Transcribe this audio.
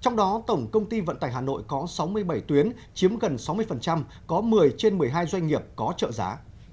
trong đó tổng công ty vận tải hà nội có sáu mươi bảy tuyến chiếm gần sáu mươi có một mươi trên một mươi hai doanh nghiệp có trợ giá